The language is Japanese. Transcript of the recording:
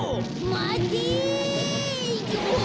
まて！